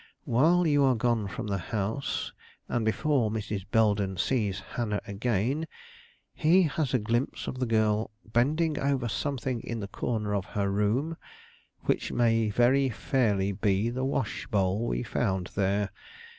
While you are gone from the house, and before Mrs. Belden sees Hannah again, he has a glimpse of the girl bending over something in the corner of her room which may very fairly be the wash bowl we found there.